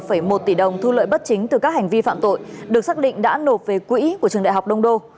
cảnh sát đạo đảm bảo cấp tiền bảy một tỷ đồng thu lợi bất chính từ các hành vi phạm tội được xác định đã nộp về quỹ của trường đại học đông đô